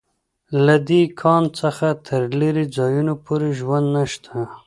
له دې کان څخه تر لېرې ځایونو پورې ژوند نشته